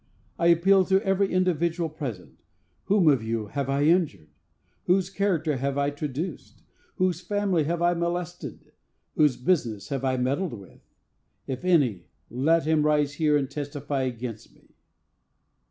I appeal to every individual present; whom of you have I injured? Whose character have I traduced? Whose family have I molested? Whose business have I meddled with? If any, let him rise here and testify against me.